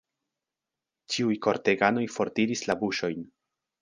Ĉiuj korteganoj fortiris la buŝojn.